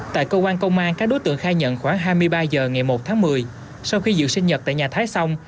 tại cơ quan công an các đối tượng khai nhận khoảng hai mươi ba h ngày một tháng một mươi sau khi dự sinh nhật tại nhà thái song